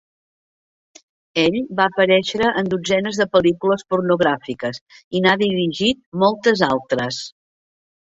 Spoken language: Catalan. Ell va aparèixer en dotzenes de pel·lícules pornogràfiques, i n'ha dirigit moltes altres.